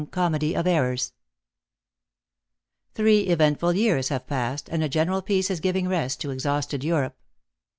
COMEDY OP ERRORS. THREE eventful years have passed, and a general peace is giving rest to exhausted Europe.